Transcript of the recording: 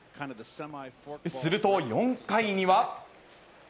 すると４回には。